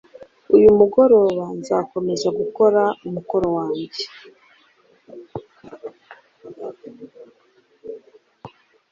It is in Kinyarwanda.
Uyu mugoroba nzakomeza gukora umukoro wanjye.